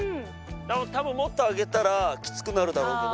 多分もっと上げたらきつくなるだろうけど。